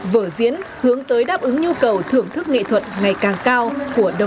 vở diễn hướng tới đáp ứng nhu cầu thưởng thức nghệ thuật ngày càng cao